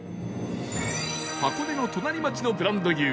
箱根の隣町のブランド牛